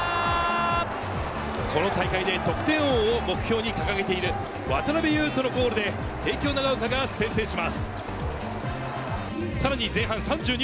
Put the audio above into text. この大会で得点王を目標に掲げている渡辺祐人のゴールで帝京長岡が先制します。